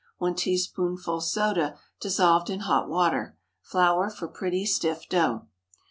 1 teaspoonful soda dissolved in hot water. Flour for pretty stiff dough.